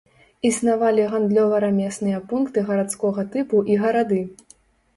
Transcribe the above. Існавалі гандлёва-рамесныя пункты гарадскога тыпу і гарады.